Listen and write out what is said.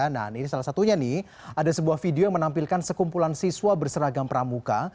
nah ini salah satunya nih ada sebuah video yang menampilkan sekumpulan siswa berseragam pramuka